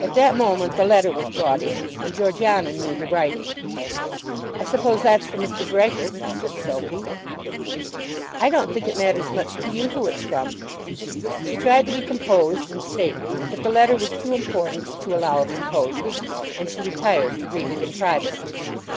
At that moment the letter was brought in, and Georgiana knew the writing. "I suppose that's from Mr. Brehgert," said Sophy. "I don't think it matters much to you who it's from." She tried to be composed and stately, but the letter was too important to allow of composure, and she retired to read it in privacy.